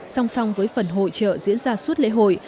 song song với phần hội trợ diễn ra suốt lễ hội